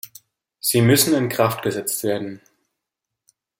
Sie müssen in Kraft gesetzt werden.